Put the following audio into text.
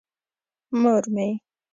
مور مې.